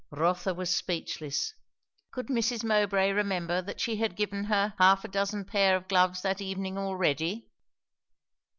Rotha was speechless. Could Mrs. Mowbray remember that she had given her half a dozen pair of gloves that evening already?